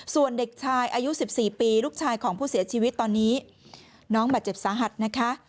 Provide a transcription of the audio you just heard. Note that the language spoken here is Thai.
ส่วนเด็กชายอายุ๑๔ปีลูกชายของผู้เสียชีวิตตอนนี้น้องบาดเจ็บสาหัสนะคะ